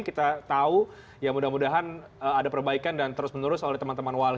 kita tahu ya mudah mudahan ada perbaikan dan terus menerus oleh teman teman wali